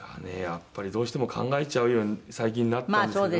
やっぱりどうしても考えちゃうように最近なったんですけど。